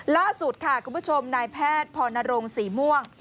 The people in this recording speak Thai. ล่าสุดค่ะคุณผู้ชมนายแพทย์พรณรงสีม่วง